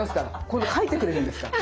これ描いてくれるんですから。